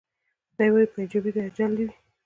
دی وايي پنچال دي اجل دي وي